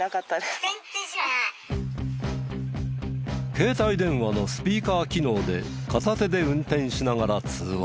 携帯電話のスピーカー機能で片手で運転しながら通話。